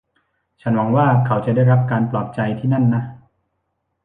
ฉันหวังว่าเขาจะได้รับการปลอบใจที่นั่นนะ